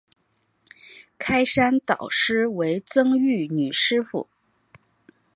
开山导师乃曾玉女师傅。